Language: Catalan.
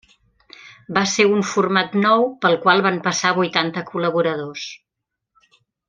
Va ser un format nou pel qual van passar vuitanta col·laboradors.